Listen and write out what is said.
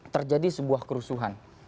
terjadi sebuah kerusuhan